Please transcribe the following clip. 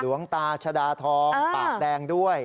หลวงตาชดาทองปากแดงด้วย